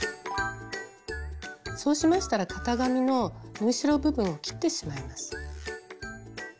そうしましたら型紙の縫い代部分を切ってしまいます。